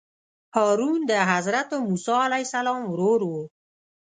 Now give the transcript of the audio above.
هارون د حضرت موسی علیه السلام ورور وو.